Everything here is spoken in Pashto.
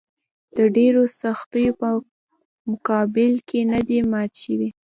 د ډېرو سختیو په مقابل کې نه دي مات شوي.